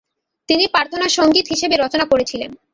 তিনি প্রার্থনাসঙ্গীত হিসেবে রচনা করেছিলেন -